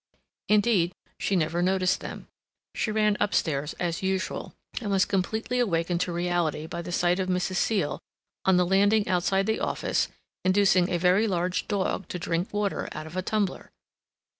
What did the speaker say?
Indeed, she never noticed them. She ran upstairs as usual, and was completely awakened to reality by the sight of Mrs. Seal, on the landing outside the office, inducing a very large dog to drink water out of a tumbler.